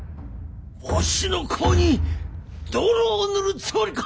わしの顔に泥を塗るつもりか！」。